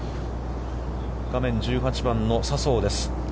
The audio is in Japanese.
画面１８番の笹生です。